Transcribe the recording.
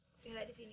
boleh gak disini